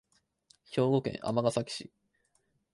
兵庫県尼崎市